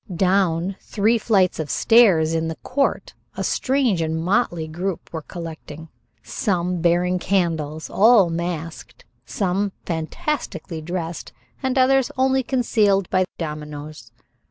Down three flights of stairs in the court a strange and motley group were collecting, some bearing candles, all masked, some fantastically dressed and others only concealed by dominoes.